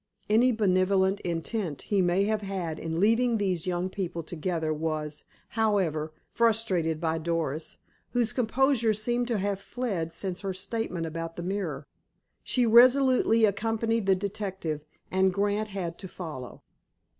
Any benevolent intent he may have had in leaving these young people together was, however, frustrated by Doris, whose composure seemed to have fled since her statement about the mirror. She resolutely accompanied the detective, and Grant had to follow.